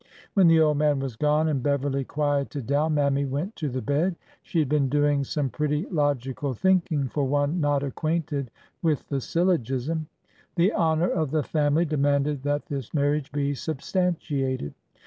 When the old man was gone and Beverly quieted down, %02 THE CERTIFICATE 303 Mammy went to the bed. She had been doing some pretty logical thinking for one not acquainted with the syllogism. The honor of the family demanded that this marriage be substantiated.